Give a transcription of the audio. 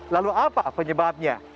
lalu apa penyebabnya